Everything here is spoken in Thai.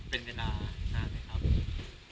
เป็นเวลานานไหมครับ